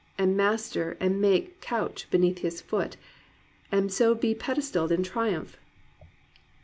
And master and make crouch beneath his foot. And so be pedestalled in triumph?"